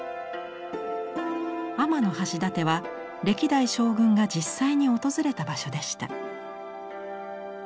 天橋立は歴代将軍が実際に訪れた場所でした。